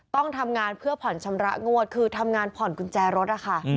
ต้องทำงานเพื่อผ่อนชำระงวดคือทำงานผ่อนกุญแจรถนะคะ